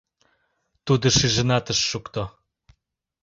Тудо шижынат ыш шукто.